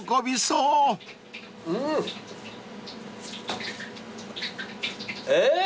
うん！えっ？